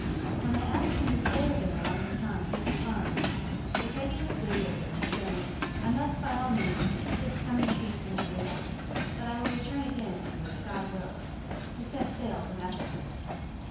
018:020 When they asked him to stay with them a longer time, he declined; 018:021 but taking his leave of them, and saying, "I must by all means keep this coming feast in Jerusalem, but I will return again to you if God wills," he set sail from Ephesus.